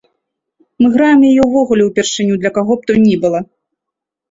Мы граем яе ўвогуле ўпершыню для каго б то ні было.